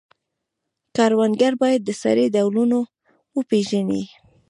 کروندګر باید د سرې ډولونه وپیژني.